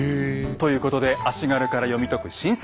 ということで足軽から読み解く新説